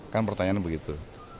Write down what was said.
kan pertanyaannya begitu